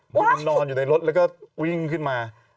คุณนอนอยู่ในรถแล้วก็วิ่งขึ้นมา